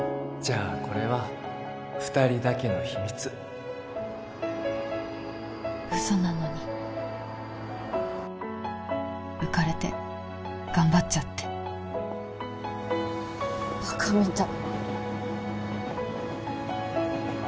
じゃこれは二人だけの秘密嘘なのに浮かれて頑張っちゃってバカみたい